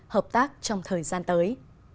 hợp tác trong thời gian tới